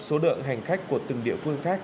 số lượng hành khách của từng địa phương khác